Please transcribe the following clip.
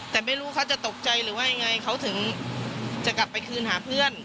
แต่ไม่รู้เขาจะตกใจหรือว่ายังไงเขาถึงจะกลับไปคืนหาเพื่อน